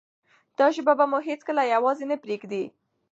دا ژبه به مو هیڅکله یوازې نه پریږدي.